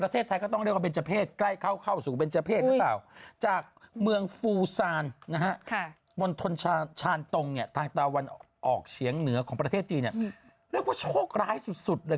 ที่ตั้งเหนือของประเทศจีนเนี่ยเรียกว่าโชคร้ายสุดเลย